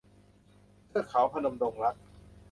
เทือกเขาพนมดงรัก